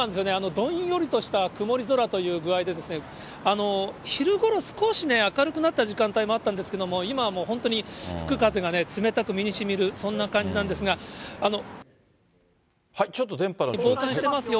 どんよりとした曇り空という具合で、昼ごろ、少し明るくなった時間帯もあったんですけれども、今は本当に吹く風が冷たく身にしみる、ちょっと電波の。